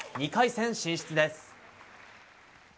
２回戦進出です。